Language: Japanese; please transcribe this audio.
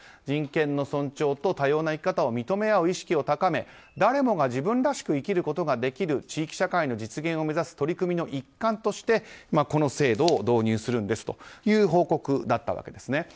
人権の尊重と多様な生き方を認め合う意識を高め誰もが自分らしく生きることができる地域社会の実現を目指す取り組みの一環としてこの制度を導入するんですという報告だったわけです。